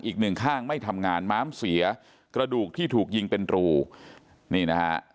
อีกหนึ่งข้างไม่ทำงานม้ามเสียกระดูกที่ถูกยิงเป็นรูนี่นะฮะ